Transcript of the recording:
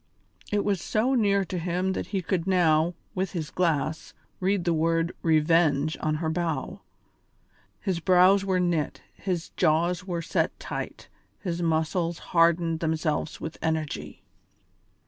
It was so near to him that he could now, with his glass, read the word "Revenge" on her bow. His brows were knit, his jaws were set tight, his muscles hardened themselves with energy.